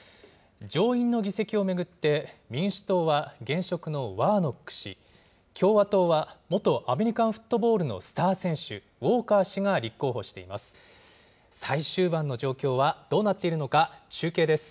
上院の議席を巡って、民主党は現職のワーノック氏、共和党は元アメリカンフットボールのスター選手、ウォーカー氏が立候補しています。